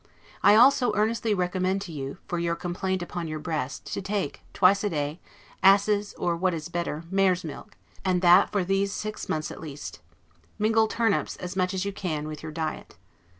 I also earnestly recommend to you, for your complaint upon your breast, to take, twice a day, asses' or (what is better mares' milk), and that for these six months at least. Mingle turnips, as much as you can, with your diet.